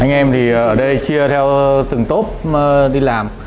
anh em thì ở đây chia theo từng tốp đi làm